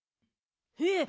えっ？